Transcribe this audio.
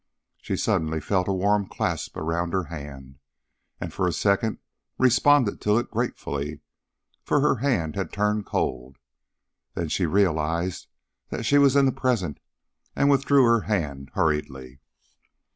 She suddenly felt a warm clasp round her hand, and for a second responded to it gratefully, for hers had turned cold. Then she realized that she was in the present, and withdrew her hand hurriedly.